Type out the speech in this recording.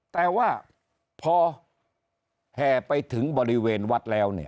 แต่ว่าพอแห่ไปถึงบริเวณวัดแล้ว